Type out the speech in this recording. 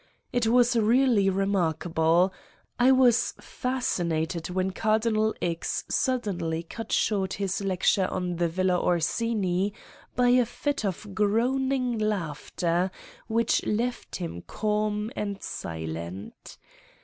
It was really remarkable. I was fascinated when Cardinal X. suddenly cut short his lecture on the Villa Orsini by a fit of groaning laughter which left him calm and silent.